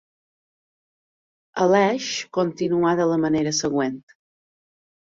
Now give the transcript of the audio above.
Aleix continuà de la manera següent.